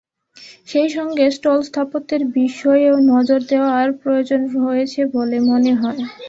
সেই সঙ্গে স্টল-স্থাপত্যের বিষয়েও নজর দেওয়ার প্রয়োজন রয়েছে বলে মনে হয়।